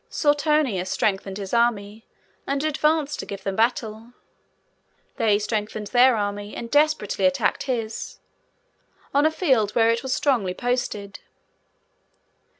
Suetonius strengthened his army, and advanced to give them battle. They strengthened their army, and desperately attacked his, on the field where it was strongly posted.